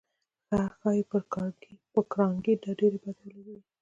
چې ښايي پر کارنګي دا ډېره بده ولګېږي.